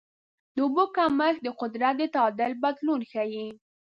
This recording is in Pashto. د اوبو کمښت د قدرت د تعادل بدلون ښيي.